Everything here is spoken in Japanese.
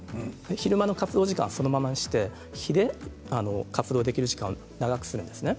昼間の活動時間はそのままにして火で活動時間を長くするんです。